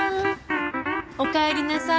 おかえりなさい。